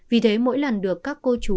vì thế mỗi lần được các cô chú